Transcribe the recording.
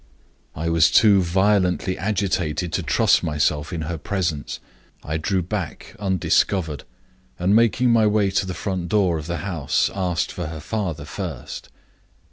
"I was too violently agitated to trust myself in her presence. I drew back undiscovered, and, making my way to the front door of the house, asked for her father first.